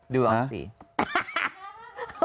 ดูออกสิ